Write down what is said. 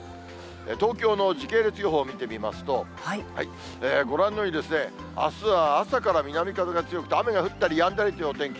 東京の時系列予報を見てみますと、ご覧のように、あすは朝から南風が強くて、雨が降ったりやんだりというお天気。